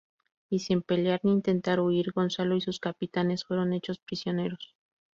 Y sin pelear ni intentar huir, Gonzalo y sus capitanes fueron hechos prisioneros.